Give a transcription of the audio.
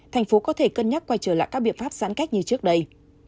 thành phố có thể cân nhắc quay trở lại các biện pháp giãn cách như trước đây